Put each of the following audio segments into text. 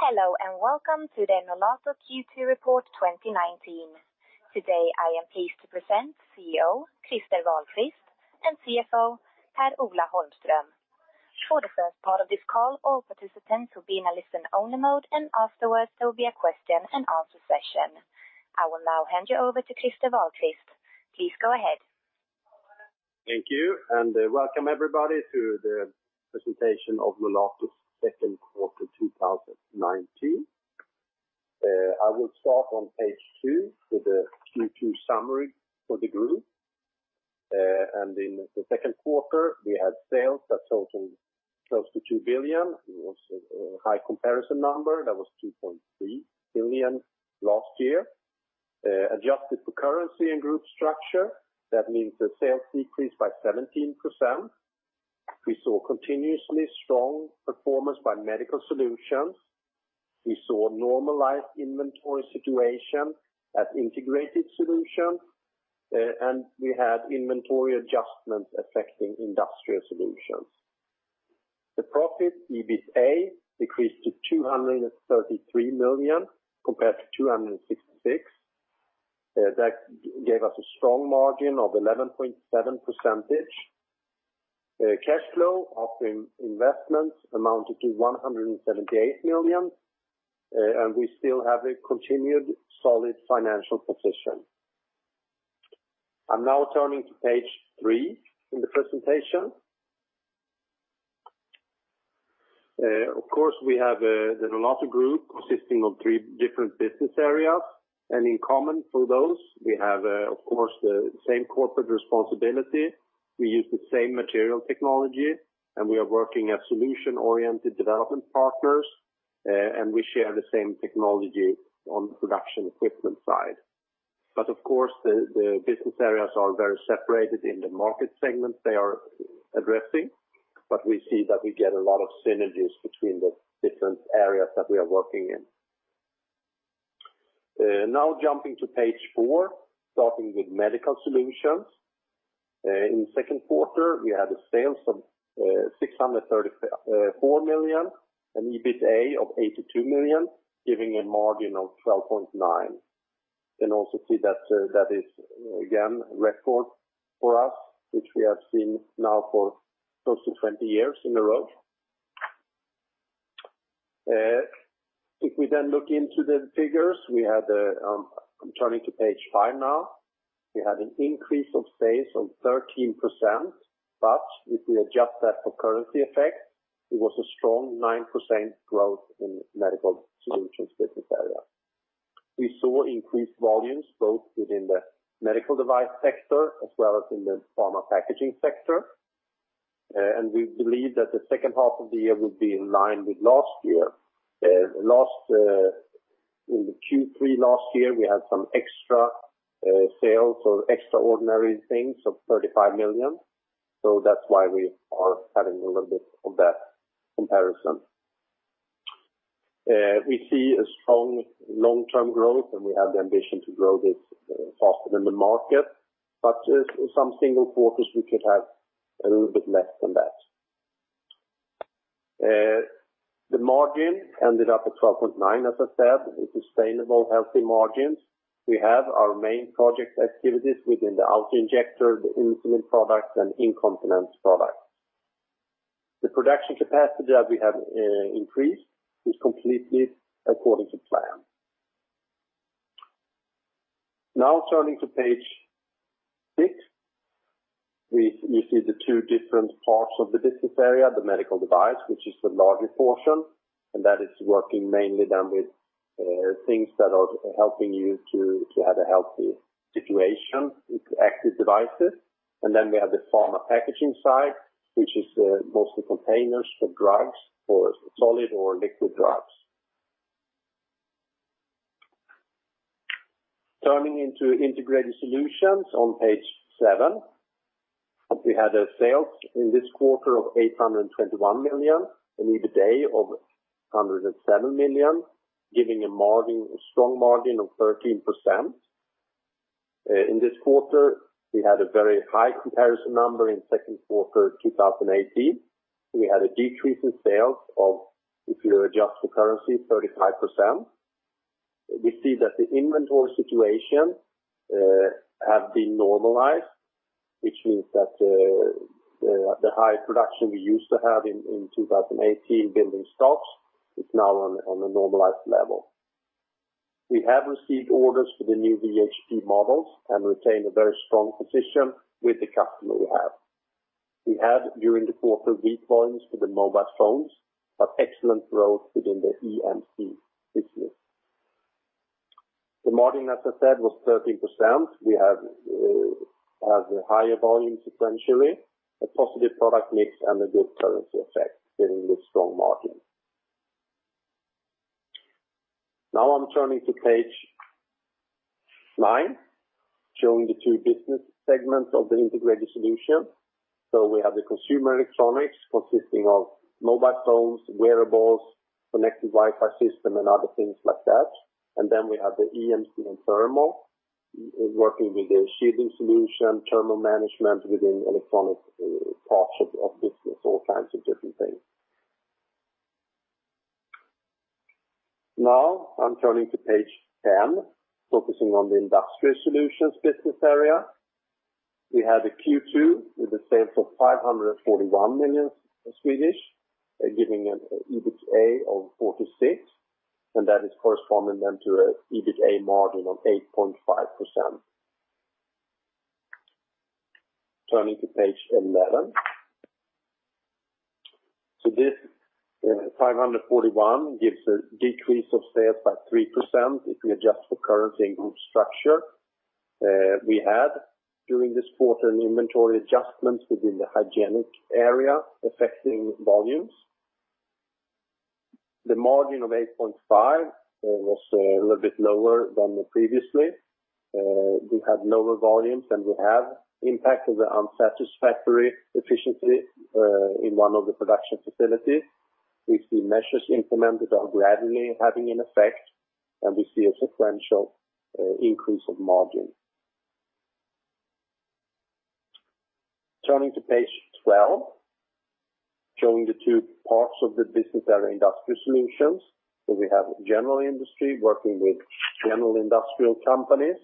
Hello. Welcome to the Nolato Q2 report 2019. Today I am pleased to present CEO Christer Wahlquist and CFO Per-Ola Holmström. For the first part of this call, all participants will be in a listen-only mode. Afterwards, there will be a question and answer session. I will now hand you over to Christer Wahlquist. Please go ahead. Thank you. Welcome everybody to the presentation of Nolato second quarter 2019. I will start on page two with the Q2 summary for the group. In the second quarter, we had sales that totaled close to 2 billion. It was a high comparison number that was 2.3 billion last year. Adjusted for currency and group structure, that means the sales decreased by 17%. We saw continuously strong performance by Medical Solutions. We saw normalized inventory situation at Integrated Solutions. We had inventory adjustments affecting Industrial Solutions. The profit, EBITA, decreased to 233 million compared to 266 million. That gave us a strong margin of 11.7%. Cash flow of the investments amounted to 178 million. We still have a continued solid financial position. I am now turning to page three in the presentation. Of course, we have the Nolato group consisting of three different business areas. In common for those, we have, of course, the same corporate responsibility. We use the same material technology. We are working as solution-oriented development partners. We share the same technology on the production equipment side. Of course, the business areas are very separated in the market segments they are addressing. We see that we get a lot of synergies between the different areas that we are working in. Now jumping to page four, starting with Medical Solutions. In the second quarter, we had sales of 634 million and EBITA of 82 million, giving a margin of 12.9%. You can also see that is again, record for us, which we have seen now for close to 20 years in a row. If we look into the figures, turning to page five now, we had an increase of sales of 13%. If we adjust that for currency effect, it was a strong 9% growth in Medical Solutions business area. We saw increased volumes both within the medical device sector as well as in the pharma packaging sector. We believe that the second half of the year will be in line with last year. In the Q3 last year, we had some extra sales or extraordinary things of 35 million. That's why we are having a little bit of that comparison. We see a strong long-term growth. We have the ambition to grow this faster than the market. In some single quarters, we could have a little bit less than that. The margin ended up at 12.9%, as I said, with sustainable healthy margins. We have our main project activities within the auto-injector, the insulin products, and incontinence products. The production capacity that we have increased is completely according to plan. Turning to page six, we see the two different parts of the business area, the medical device, which is the larger portion, and that is working mainly then with things that are helping you to have a healthy situation with active devices. Then we have the pharma packaging side, which is mostly containers for drugs or solid or liquid drugs. Turning into Integrated Solutions on page seven, we had a sale in this quarter of 821 million, an EBITDA of 107 million, giving a strong margin of 13%. In this quarter, we had a very high comparison number in second quarter 2018. We had a decrease in sales of, if you adjust for currency, 35%. We see that the inventory situation has been normalized, which means that the high production we used to have in 2018, building stocks, is now on a normalized level. We have received orders for the new VHP models and retain a very strong position with the customer we have. We had, during the quarter, weak volumes for the mobile phones, but excellent growth within the EMC business. The margin, as I said, was 13%. We have a higher volume sequentially, a positive product mix, and a good currency effect giving this strong margin. I'm turning to page nine, showing the two business segments of the Integrated Solutions. We have the consumer electronics consisting of mobile phones, wearables, connected Wi-Fi system, and other things like that. Then we have the EMC and thermal working with a shielding solution, thermal management within electronic parts of business, all kinds of different things. I'm turning to page 10, focusing on the Industrial Solutions business area. We had a Q2 with a sales of 541 million, giving an EBITA of 46, and that is corresponding then to a EBITA margin of 8.5%. Turning to page 11. This 541 million gives a decrease of sales by 3% if we adjust for currency and group structure. We had, during this quarter, an inventory adjustment within the hygienic area affecting volumes. The margin of 8.5% was a little bit lower than previously. We had lower volumes than we have, impact of the unsatisfactory efficiency in one of the production facilities. We see measures implemented are gradually having an effect, and we see a sequential increase of margin. Turning to page 12, showing the two parts of the business area Industrial Solutions. We have general industry working with general industrial companies,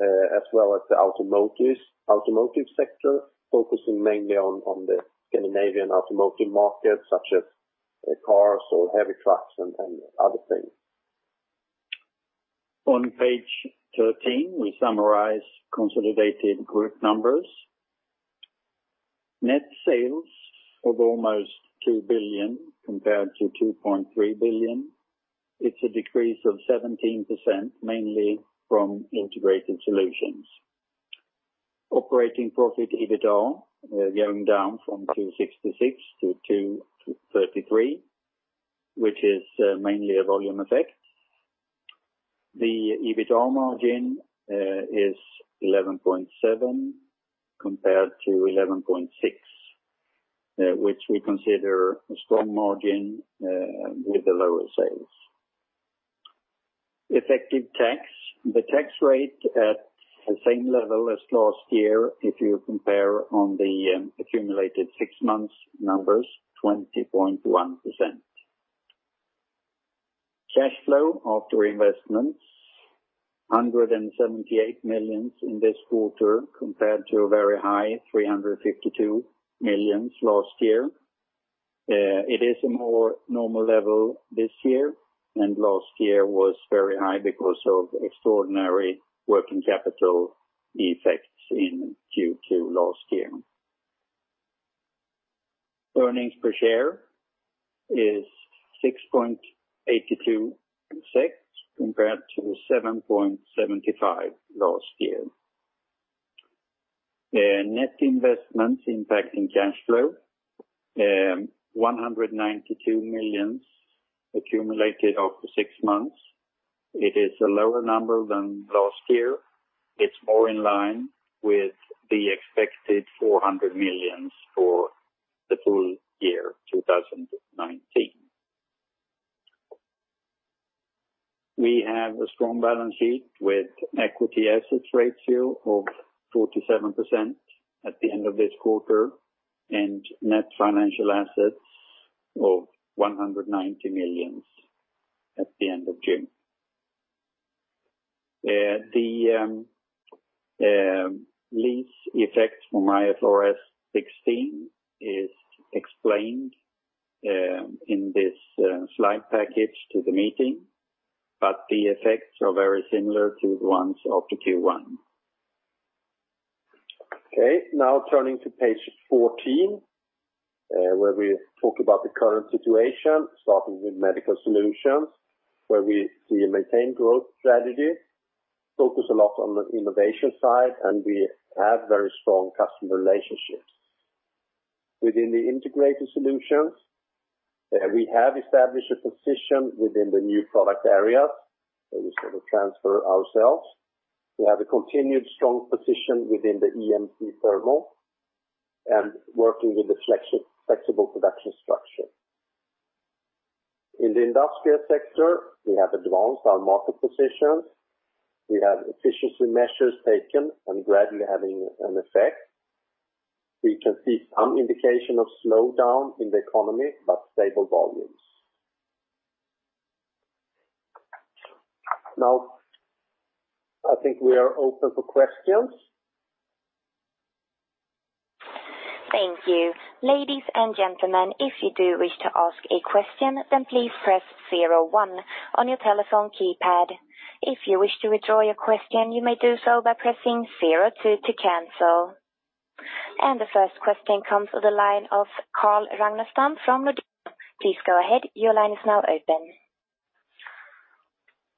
as well as the automotive sector, focusing mainly on the Scandinavian automotive market, such as cars or heavy trucks and other things. On page 13, we summarize consolidated group numbers. Net sales of almost 2 billion compared to 2.3 billion. It is a decrease of 17%, mainly from Integrated Solutions. Operating profit, EBITDA, going down from 266 million to 233 million, which is mainly a volume effect. The EBITDA margin is 11.7% compared to 11.6%, which we consider a strong margin with the lower sales. Effective tax. The tax rate at the same level as last year if you compare on the accumulated six months numbers, 20.1%. Cash flow after investments, 178 million in this quarter compared to a very high 352 million last year. It is a more normal level this year, and last year was very high because of extraordinary working capital effects in Q2 last year. Earnings per share is 6.82 compared to 7.75 last year. Net investments impacting cash flow, 192 million accumulated after six months. It is a lower number than last year. It is more in line with the expected 400 million for the full year 2019. We have a strong balance sheet with equity assets ratio of 47% at the end of this quarter and net financial assets of 190 million at the end of June. The lease effects from IFRS 16 is explained in this slide package to the meeting, but the effects are very similar to the ones of the Q1. Okay, turning to page 14, where we talk about the current situation, starting with Medical Solutions, where we see a maintained growth strategy, focus a lot on the innovation side, and we have very strong customer relationships. Within the Integrated Solutions, we have established a position within the new product areas where we sort of transfer ourselves. We have a continued strong position within the EMC thermal and working with the flexible production structure. In the industrial sector, we have advanced our market positions. We have efficiency measures taken and gradually having an effect. We can see some indication of slowdown in the economy, but stable volumes. I think we are open for questions. Thank you. Ladies and gentlemen, if you do wish to ask a question, please press 01 on your telephone keypad. If you wish to withdraw your question, you may do so by pressing 02 to cancel. The first question comes to the line of Carl Ragnarstam from Nordea. Please go ahead. Your line is now open.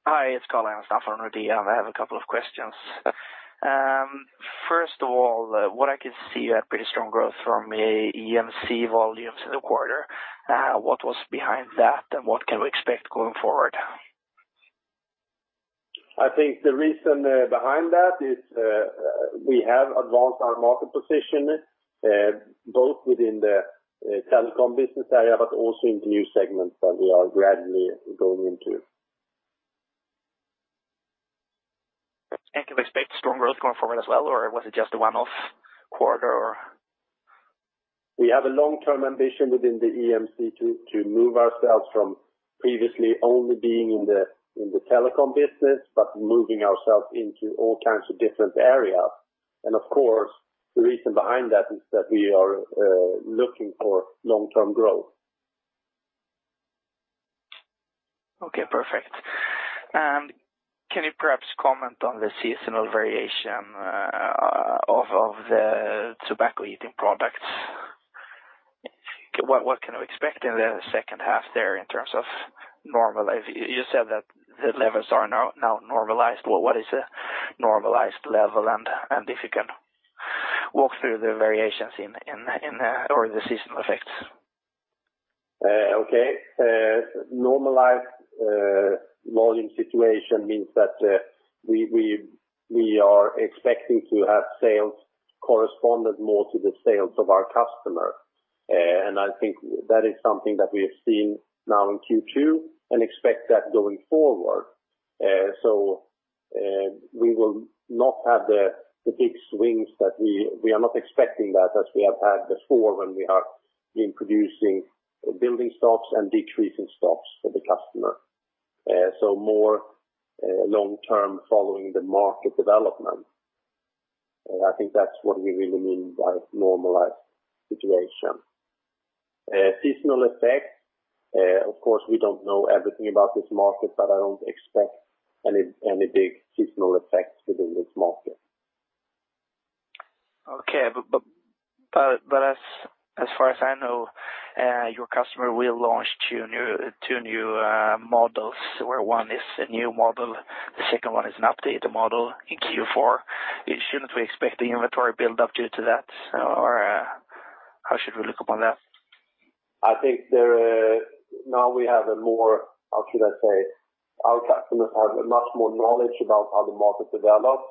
Hi, it's Carl Ragnarstam from I have a couple of questions. First of all, what I can see you had pretty strong growth from a EMC volumes in the quarter. What was behind that, and what can we expect going forward? I think the reason behind that is we have advanced our market position, both within the telecom business area, but also in the new segments that we are gradually going into. Strong growth going forward as well, or was it just a one-off quarter? We have a long-term ambition within the EMC to move ourselves from previously only being in the telecom business, but moving ourselves into all kinds of different areas. Of course, the reason behind that is that we are looking for long-term growth. Okay, perfect. Can you perhaps comment on the seasonal variation of the tobacco heating products? What can we expect in the second half there in terms of normalization? You said that the levels are now normalized. What is a normalized level? If you can walk through the variations or the seasonal effects. Okay. Normalized volume situation means that we are expecting to have sales corresponded more to the sales of our customer. I think that is something that we have seen now in Q2, and expect that going forward. We will not have the big swings. We are not expecting that as we have had before when we have been producing building stocks and decreasing stocks for the customer. More long-term following the market development. I think that's what we really mean by normalized situation. Seasonal effect, of course, we don't know everything about this market, but I don't expect any big seasonal effects within this market. Okay. As far as I know, your customer will launch two new models where one is a new model, the second one is an updated model in Q4. Shouldn't we expect the inventory build up due to that? How should we look upon that? I think now our customers have a much more knowledge about how the market develops,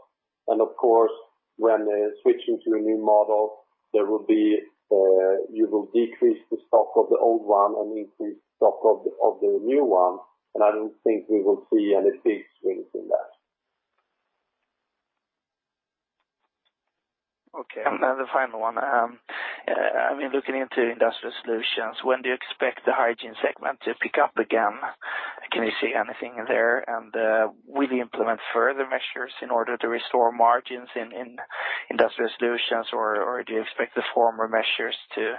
of course, when they're switching to a new model, you will decrease the stock of the old one and increase stock of the new one. I don't think we will see any big swings in that. Okay. The final one. I've been looking into Industrial Solutions, when do you expect the hygiene segment to pick up again? Can you see anything there? Will you implement further measures in order to restore margins in Industrial Solutions, or do you expect the former measures to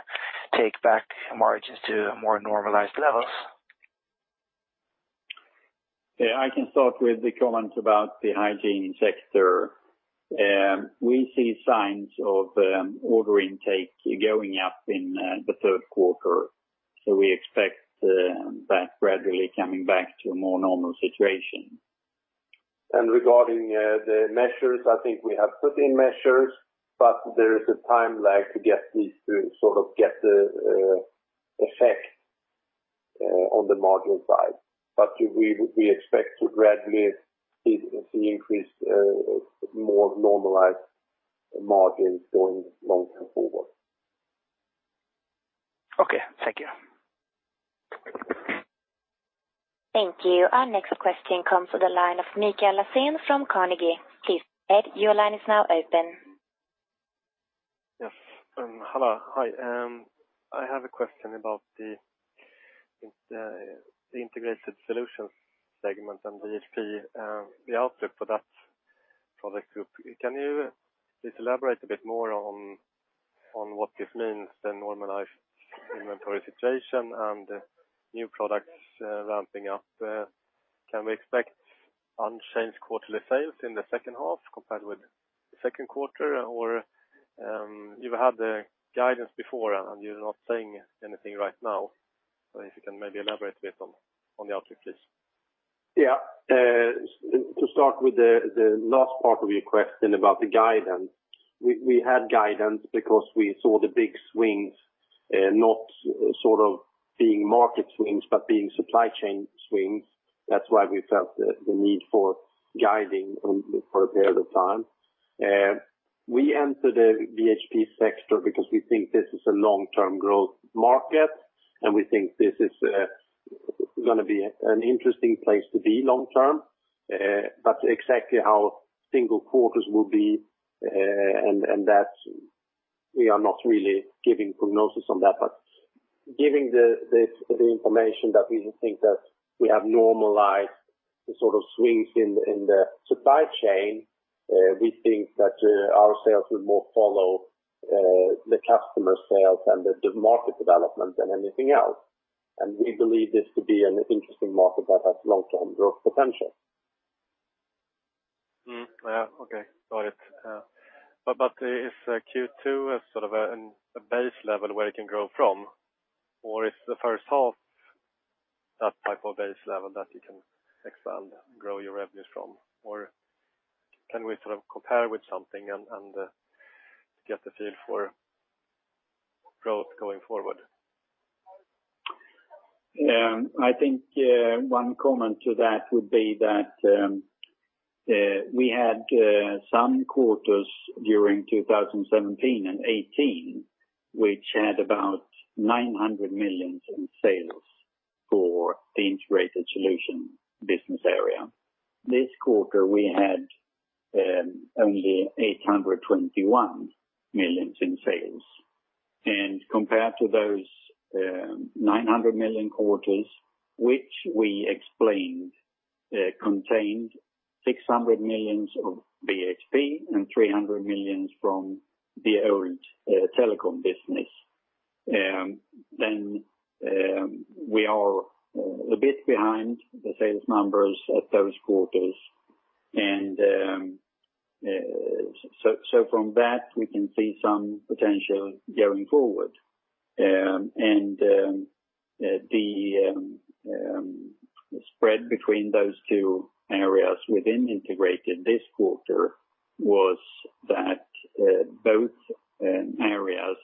take back margins to more normalized levels? I can start with the comments about the hygiene sector. We see signs of order intake going up in the third quarter. We expect that gradually coming back to a more normal situation. Regarding the measures, I think we have put in measures, but there is a time lag to get these to sort of get the effect on the margin side. We expect to gradually see increased, more normalized margins going long-term forward. Okay. Thank you. Thank you. Our next question comes from the line of Mikael Laséen from Carnegie. Please go ahead, your line is now open. Yes. Hello. Hi. I have a question about the Integrated Solutions segment and the VHP, the output for that product group. Can you please elaborate a bit more on what this means, the normalized inventory situation and new products ramping up? Can we expect unchanged quarterly sales in the second half compared with the second quarter? You had the guidance before and you are not saying anything right now. If you can maybe elaborate a bit on the output, please. Yeah. To start with the last part of your question about the guidance. We had guidance because we saw the big swings, not sort of being market swings, but being supply chain swings. That is why we felt the need for guiding for a period of time. We entered the VHP sector because we think this is a long-term growth market, and we think this is going to be an interesting place to be long term. Exactly how single quarters will be, and that we are not really giving prognosis on that, but giving the information that we think that we have normalized the sort of swings in the supply chain. We think that our sales will more follow the customer sales and the market development than anything else. We believe this to be an interesting market that has long-term growth potential. Yeah. Okay. Got it. Is Q2 a sort of a base level where it can grow from? Is the first half that type of base level that you can expand, grow your revenues from? Can we sort of compare with something and get a feel for growth going forward? I think one comment to that would be that we had some quarters during 2017 and 2018, which had about 900 million in sales. For the Integrated Solutions business area. This quarter, we had only 821 million in sales. Compared to those 900 million quarters, which we explained contained 600 million of VHP and 300 million from the old telecom business. We are a bit behind the sales numbers at those quarters. From that, we can see some potential going forward. The spread between those two areas within Integrated this quarter was that both areas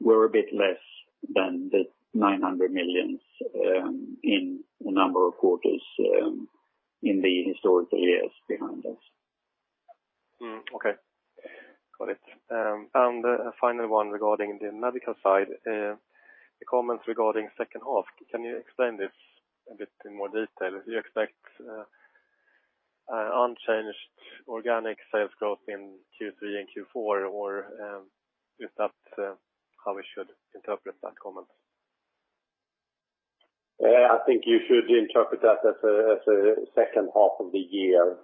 were a bit less than the 900 million in a number of quarters in the historical years behind us. Okay, got it. A final one regarding the Medical side. The comments regarding second half, can you explain this a bit in more detail? Do you expect unchanged organic sales growth in Q3 and Q4, or is that how we should interpret that comment? I think you should interpret that as a second half of the year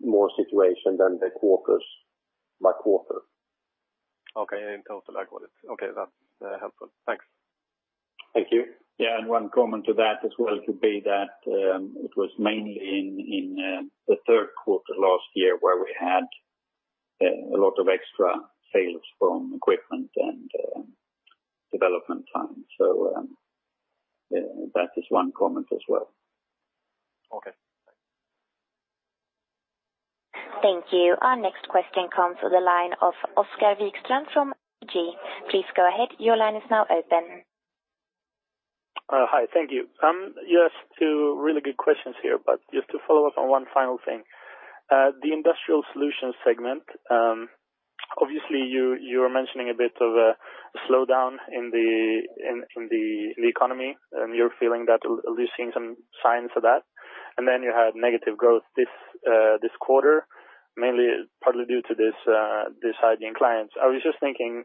more situation than the quarters by quarter. Okay. Totally. Got it. Okay. That's helpful. Thanks. Thank you. Yeah, one comment to that as well could be that it was mainly in the third quarter last year where we had a lot of extra sales from equipment and development time. That is one comment as well. Okay. Thanks. Thank you. Our next question comes to the line of Oscar Vikstrand from G. Please go ahead. Your line is now open. Hi. Thank you. Just two really good questions here. Just to follow up on one final thing. The Industrial Solutions segment, obviously you were mentioning a bit of a slowdown in the economy, you're feeling that at least seeing some signs of that. Then you had negative growth this quarter, mainly partly due to this hygiene clients. I was just thinking,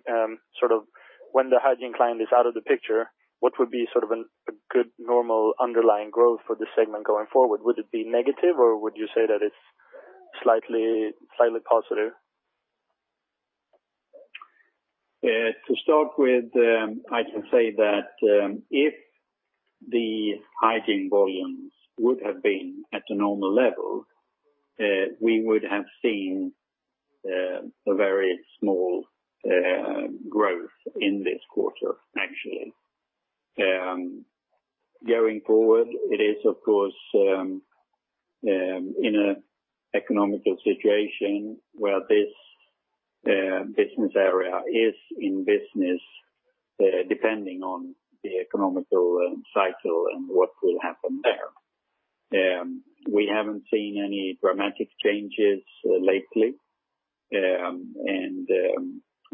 when the hygiene client is out of the picture, what would be sort of a good normal underlying growth for the segment going forward? Would it be negative, or would you say that it's slightly positive? To start with, I can say that, if the hygiene volumes would have been at a normal level, we would have seen a very small growth in this quarter, actually. Going forward, it is of course, in an economic situation where this business area is in business, depending on the economic cycle and what will happen there. We haven't seen any dramatic changes lately.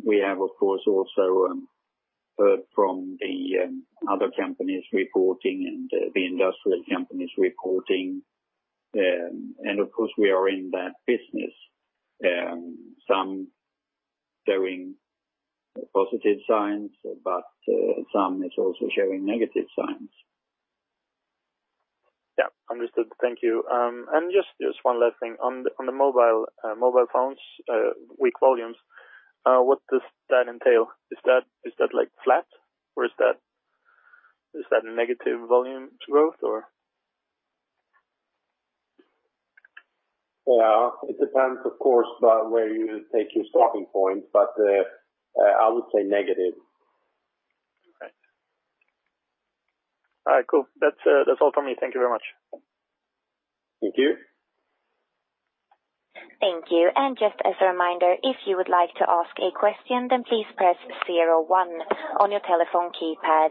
We have, of course, also heard from the other companies reporting and the industrial companies reporting. Of course, we are in that business. Some showing positive signs, but some is also showing negative signs. Yeah. Understood. Thank you. Just one last thing. On the mobile phones, weak volumes, what does that entail? Is that like flat or is that negative volume growth or? Well, it depends, of course, by where you take your starting point, but I would say negative. Okay. All right, cool. That's all from me. Thank you very much. Thank you. Thank you. Just as a reminder, if you would like to ask a question, then please press zero one on your telephone keypad.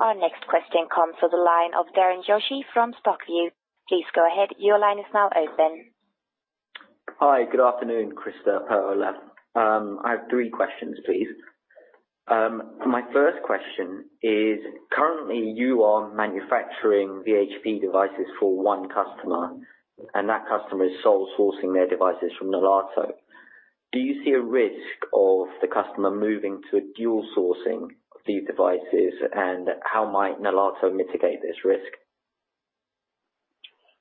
Our next question comes to the line of Darren Joshi from Stockview. Please go ahead. Your line is now open. Hi, good afternoon, Christer, Per, Ola. I have three questions, please. My first question is, currently you are manufacturing VHP devices for one customer, That customer is sole sourcing their devices from Nolato. Do you see a risk of the customer moving to dual sourcing these devices, How might Nolato mitigate this risk?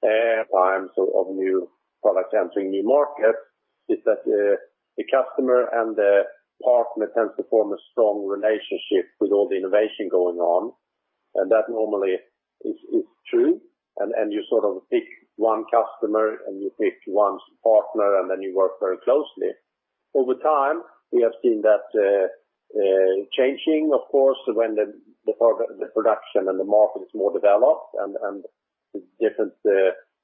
I am sort of new product entering new markets, is that the customer The partner tends to form a strong relationship with all the innovation going on, That normally is true. You sort of pick one customer You pick one partner, Then you work very closely. Over time, we have seen that changing, of course, when the production The market is more developed The different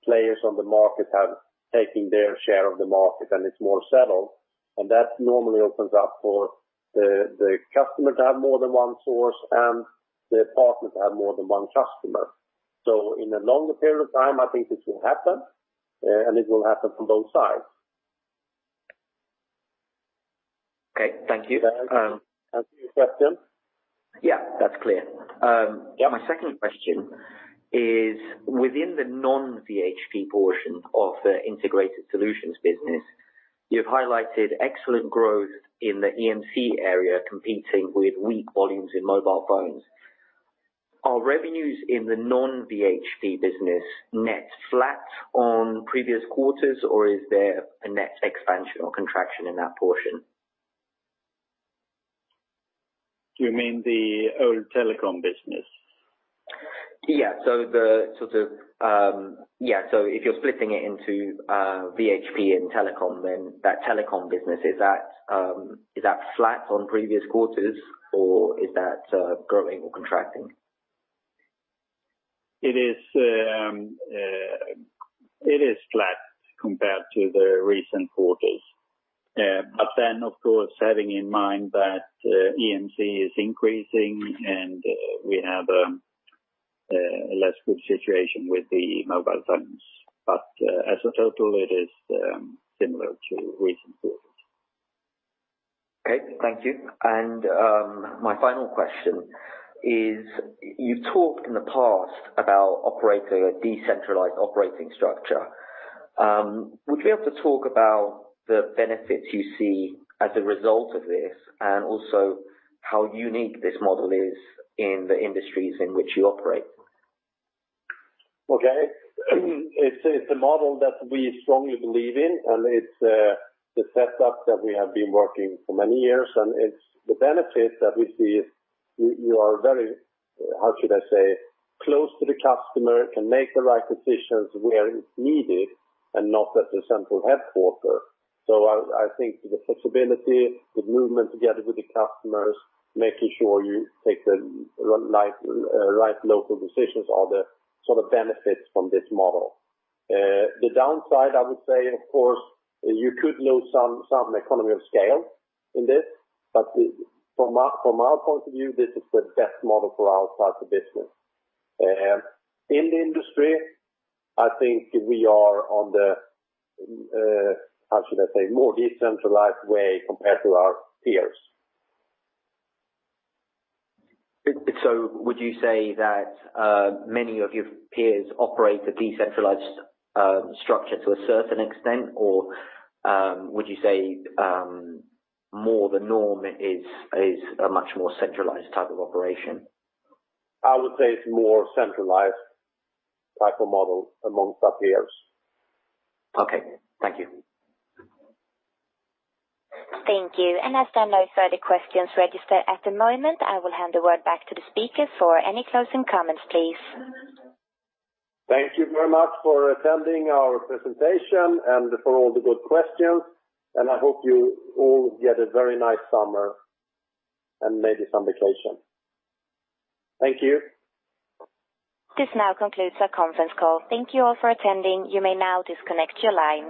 players on the market have taken their share of the market It is more settled. That normally opens up for the customer to have more than one source The partner to have more than one customer. In a longer period of time, I think this will happen, It will happen from both sides. Okay. Thank you. Does that answer your question? Yeah, that's clear. Yeah. My second question is, within the non-VHP portion of the Integrated Solutions business, you've highlighted excellent growth in the EMC area, competing with weak volumes in mobile phones. Are revenues in the non-VHP business net flat on previous quarters or is there a net expansion or contraction in that portion? You mean the old telecom business? Yeah. If you're splitting it into VHP and telecom, then that telecom business, is that flat on previous quarters or is that growing or contracting? It is flat compared to the recent quarters. Of course, having in mind that EMC is increasing and we have a less good situation with the mobile phones. As a total, it is similar to recent quarters. Okay. Thank you. My final question is, you've talked in the past about operating a decentralized operating structure. Would you be able to talk about the benefits you see as a result of this, and also how unique this model is in the industries in which you operate? Okay. It's a model that we strongly believe in. It's the setup that we have been working for many years. It's the benefit that we see is you are very, how should I say, close to the customer, can make the right decisions where it's needed, and not at the central headquarter. I think the flexibility, the movement together with the customers, making sure you take the right local decisions are the sort of benefits from this model. The downside, I would say, of course, you could lose some economy of scale in this. From our point of view, this is the best model for our type of business. In the industry, I think we are on the, how should I say, more decentralized way compared to our peers. Would you say that many of your peers operate a decentralized structure to a certain extent, or would you say more the norm is a much more centralized type of operation? I would say it's more centralized type of model amongst our peers. Okay. Thank you. Thank you. As there are no further questions registered at the moment, I will hand the word back to the speaker for any closing comments, please. Thank you very much for attending our presentation and for all the good questions. I hope you all get a very nice summer and maybe some vacation. Thank you. This now concludes our conference call. Thank you all for attending. You may now disconnect your line.